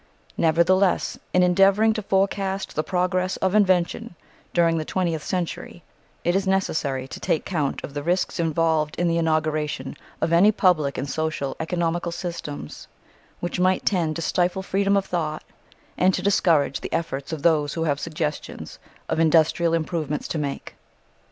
Nevertheless, in endeavouring to forecast the progress of invention during the twentieth century, it is necessary to take count of the risks involved in the inauguration of any public and social economical systems which might tend to stifle freedom of thought and to discourage the efforts of those who have suggestions of industrial improvements to make.